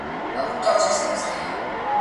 په توره شپه کي د آدم له زوی انسانه ګوښه `